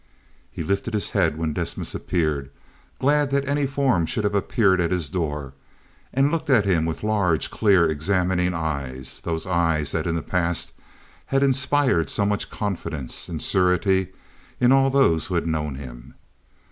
He lifted his head when Desmas appeared, glad that any form should have appeared at his door, and looked at him with large, clear, examining eyes—those eyes that in the past had inspired so much confidence and surety in all those who had known him.